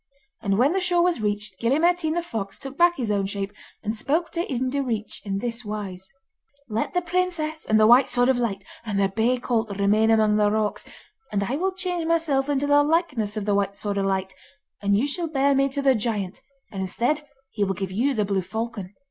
And when the shore was reached, Gille Mairtean the fox took back his own shape, and spoke to Ian Direach in this wise: 'Let the princess and the White Sword of Light, and the bay colt, remain among the rocks, and I will change myself into the likeness of the White Sword of Light, and you shall bear me to the giant, and, instead, he will give you the blue falcon.